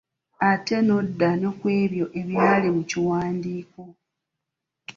Ate n'odda ne ku ebyo ebyali mu kiwandiko.